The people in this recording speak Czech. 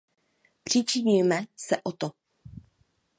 Přičiníme se o to.